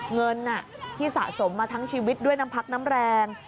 เงินที่สะสมมาทั้งชีวิตด้วยน้ำพักน้ำแรง